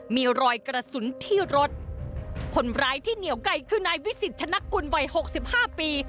มีรอยกระสุนที่รถคนร้ายที่เหนียวไก่คือนายวิสิทธนกุลวัยหกสิบห้าปี